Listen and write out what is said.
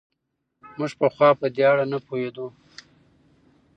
موږ پخوا په دې اړه نه پوهېدو.